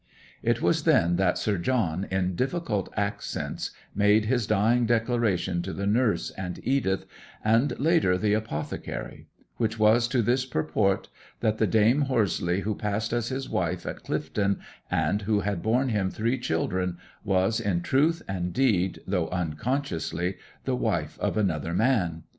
It was then that Sir John, in difficult accents, made his dying declaration to the nurse and Edith, and, later, the apothecary; which was to this purport, that the Dame Horseleigh who passed as his wife at Clyfton, and who had borne him three children, was in truth and deed, though unconsciously, the wife of another man.